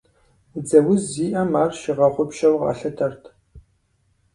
Дзэ уз зиӏэм ар щигъэгъупщэу къалъытэрт.